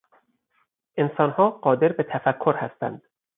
انسانها قادر به تفکر هستند.